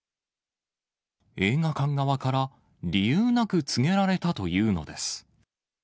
映画館側から理由なく告げられたというのです。